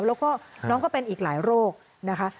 แล้วก็น้องก็เป็นอีกหลายโรคนะคะ